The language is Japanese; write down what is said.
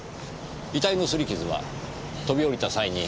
遺体の擦り傷は飛び降りた際に